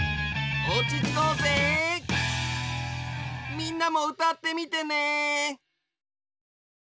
みんなもうたってみてね！